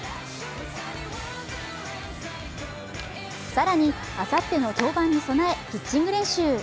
更に、あさっての登板に備えピッチング練習。